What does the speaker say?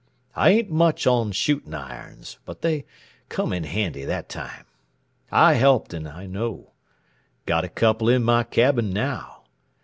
I ain't much on shootin' irons, but they came handy that time. I helped and I know. Got a couple in my cabin now.